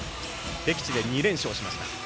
敵地で２連勝しました。